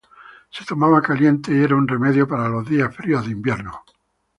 Se tomaba caliente y era un remedio para los días fríos de invierno.